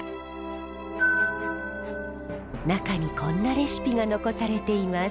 中にこんなレシピが残されています。